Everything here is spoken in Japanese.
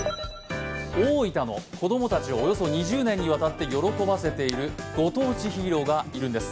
大分の子供たちをおよそ２０年にわたって喜ばせているご当地ヒーローがいるんです。